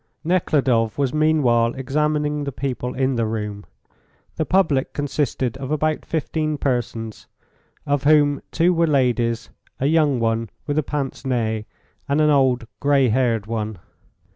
Nekhludoff was meanwhile examining the people in the room. The public consisted of about 15 persons, of whom two were ladies a young one with a pince nez, and an old, grey haired one.